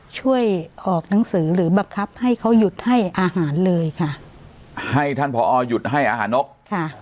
ช่วยออกหนังสือหรือบังคับให้เขาหยุดให้อาหารเลยค่ะให้ท่านผอหยุดให้อาหารนกค่ะ